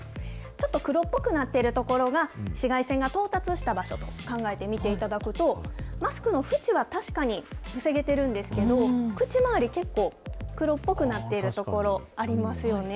ちょっと黒っぽくなってる所が紫外線が到達した場所と考えていただくと、マスクの縁は確かに防げてるんですけど、口周り、結構黒っぽくなっている所ありますよね。